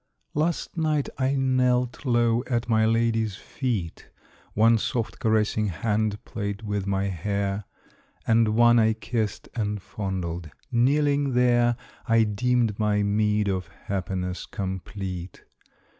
Last night I knelt low at my lady's feet. One soft, caressing hand played with my hair, And one I kissed and fondled. Kneeling there, I deemed my meed of happiness complete.